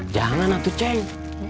jangan atuh ceng